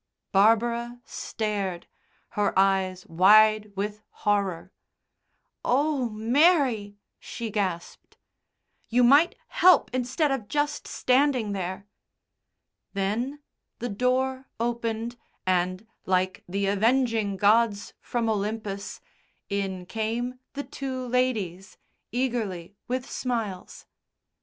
Barbara stared, her eyes wide with horror. "Oh, Mary," she gasped. "You might help instead of just standing there!" Then the door opened and, like the avenging gods from Olympus, in came the two ladies, eagerly, with smiles.